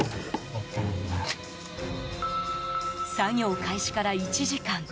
作業開始から１時間。